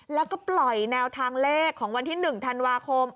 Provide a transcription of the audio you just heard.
แล้วก็ปล่อยแนวทางเลขของวันที่๑ธันวาคม